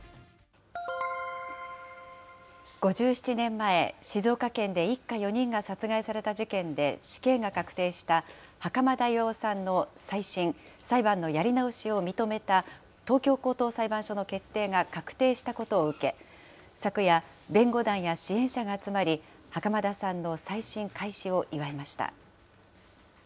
５７年前、静岡県で一家４人が殺害された事件で死刑が確定した、袴田巌さんの再審・裁判のやり直しを認めた東京高等裁判所の決定が確定したことを受け、昨夜、弁護団や支援者が集まり、袴田さんの再審開始を祝いました。